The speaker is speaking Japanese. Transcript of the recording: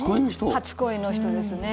初恋の人ですね。